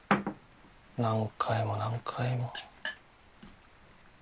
何回も何回も。